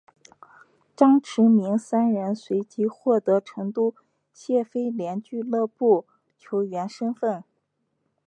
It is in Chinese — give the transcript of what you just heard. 张池明三人随即获得成都谢菲联俱乐部球员身份。